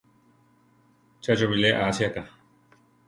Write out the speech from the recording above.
Che cho bilé asiáka.